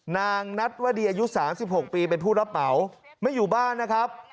นางนัทวดีอายุ๓๖ปีเป็นผู้รับเหมาไม่อยู่บ้านนะครับ